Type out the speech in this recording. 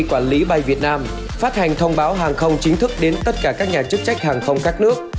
quản lý bay việt nam phát hành thông báo hàng không chính thức đến tất cả các nhà chức trách hàng không các nước